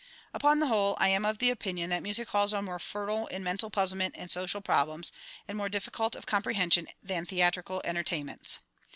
Upon the whole, I am of opinion that music halls are more fertile in mental puzzlement and social problems, and more difficult of comprehension, than theatrical entertainments.